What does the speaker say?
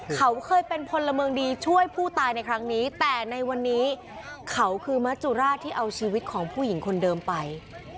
เขาเคยเป็นพลเมืองดีช่วยผู้ตายในครั้งนี้แต่ในวันนี้เขาคือมัจจุราชที่เอาชีวิตของผู้หญิงคนเดิมไป